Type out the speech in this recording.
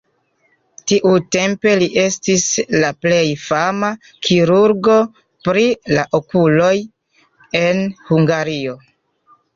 Tiutempe li estis la plej fama kirurgo pri la okuloj en Hungario.